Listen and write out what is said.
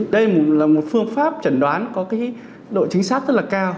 đây là một phương pháp chẩn đoán có độ chính xác rất là cao